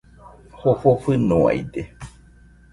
Jofo fɨnoaide